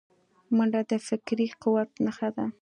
منډه د فکري قوت نښه ده